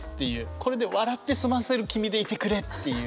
これで笑って済ませる君でいてくれっていう。